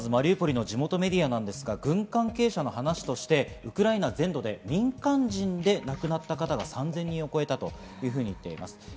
地元メディアなんですが、軍関係者の話としてウクライナ全土の民間人で亡くなった方が３０００人を超えたというふうに見ています。